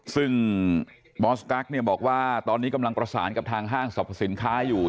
ซึ่งบอสกั๊กเนี่ยบอกว่าตอนนี้กำลังประสานกับทางห้างสรรพสินค้าอยู่